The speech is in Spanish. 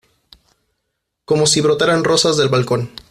Como si brotaran rosas del balcón.